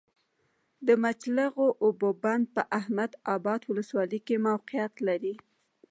د مچلغو اوبو بند په احمد ابا ولسوالۍ کي موقعیت لری